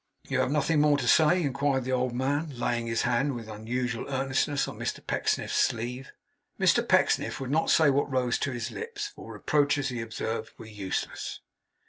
'You have nothing more to say?' inquired the old man, laying his hand with unusual earnestness on Mr Pecksniff's sleeve. Mr Pecksniff would not say what rose to his lips. For reproaches he observed, were useless.